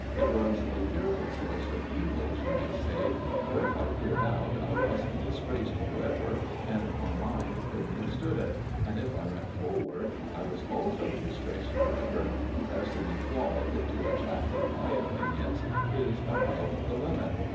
It was a fearful choice of evils, you may say; for if I cleared out, I was disgraced for ever, and my mind couldn't have stood it, and if I went forward, I was also disgraced for ever, because to be flogged, to a chap with my opinions, is about the limit.